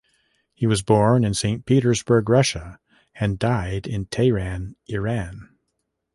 He was born in Saint Petersburg, Russia and died in Tehran, Iran.